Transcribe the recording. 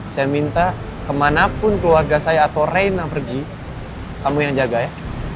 saya minta kemanapun keluarga saya atau reina pergi kamu yang jaga ya